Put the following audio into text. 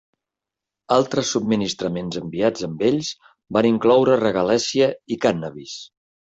Altres subministraments enviats amb ells van incloure regalèssia i cànnabis.